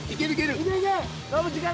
いけいけ！